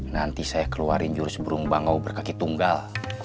nanti saya keluarin jurus burung bangau berkaki tunggal